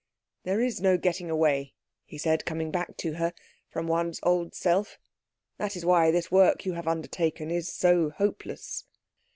"There is no getting away," he said, coming back to her, "from one's old self. That is why this work you have undertaken is so hopeless."